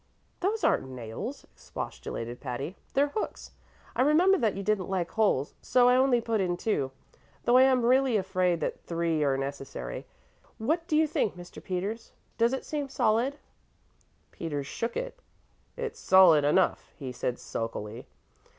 "Those aren't nails," expostulated Patty. "They're hooks. I remembered that you didn't like holes, so I only put in two, though I am really afraid that three are necessary. What do you think, Mr. Peters? Does it seem solid?" Peters shook it. "It's solid enough," he said sulkily.